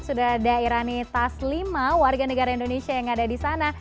sudah ada irani taslima warga negara indonesia yang ada di sana